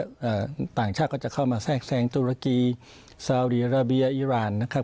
อ่าต่างชาติก็จะเข้ามาแทรกแทรงตุรกีซาวดีอาราเบียอีรานนะครับ